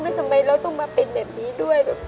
แล้วทำไมเราต้องมาเป็นแบบนี้ด้วย